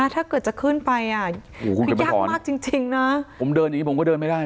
ถ้าเกิดจะขึ้นไปอ่ะคือยากมากจริงนะผมเดินอย่างนี้ผมก็เดินไม่ได้